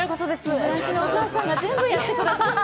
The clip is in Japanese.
「ブランチ」のお母さんが全部やってくださって。